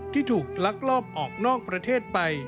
ที่ถูกลักลอบออกนอกประเทศไป